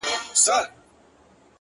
o په اور دي وسوځم، په اور مي مه سوځوه،